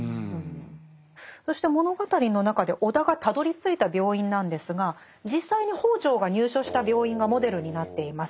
そして物語の中で尾田がたどりついた病院なんですが実際に北條が入所した病院がモデルになっています。